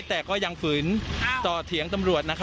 แต่ก็ยังฝึนศูนย์เสียหายนะ